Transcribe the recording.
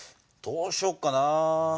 どうしよっかな。